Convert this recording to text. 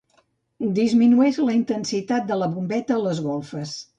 Disminueix la intensitat de la bombeta a les golfes.